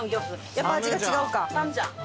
やっぱ味が違うか。